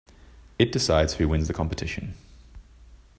It decides who wins the competition.